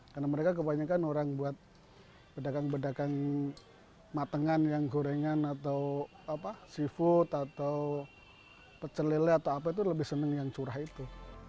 karena mereka kebanyakan orang buat pedagang pedagang matengan yang gorengan atau seafood atau pecelile atau apa itu lebih seneng yang curah itu